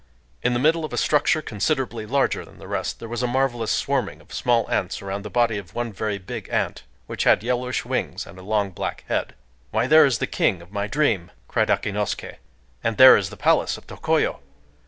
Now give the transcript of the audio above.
In the middle of a structure considerably larger than the rest there was a marvelous swarming of small ants around the body of one very big ant, which had yellowish wings and a long black head. "Why, there is the King of my dream!" cried Akinosuké; "and there is the palace of Tokoyo!...